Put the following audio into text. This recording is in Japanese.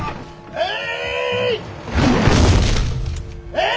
えい！